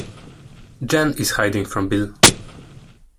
Jen is hiding from Bill.